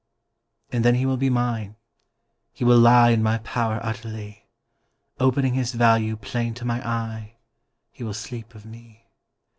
And then he will be mine, he will lie In my power utterly, Opening his value plain to my eye He will sleep of me.